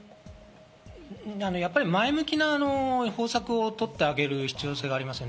やっぱり前向きな方策をとってあげる必要性があります。